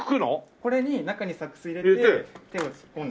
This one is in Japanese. これに中にサックス入れて手を突っ込んで。